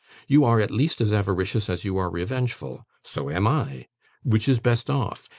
You are, at least, as avaricious as you are revengeful. So am I. Which is best off?